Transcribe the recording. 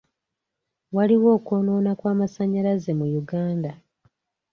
Waliwo okwonoona kw'amasanyalaze mu Uganda.